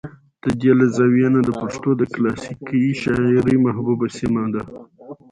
د دې له زاويې نه د پښتو د کلاسيکې شاعرۍ محبوبه سمه ده